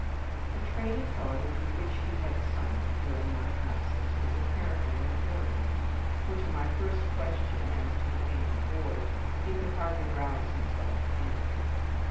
The train of thought into which he had sunk during my absence was apparently an absorbing one, for to my first question as to the painted board he could hardly rouse himself to answer.